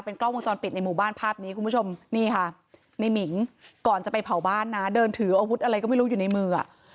กล้องวงจรปิดในหมู่บ้านภาพนี้คุณผู้ชมนี่ค่ะในหมิงก่อนจะไปเผาบ้านนะเดินถืออาวุธอะไรก็ไม่รู้อยู่ในมือ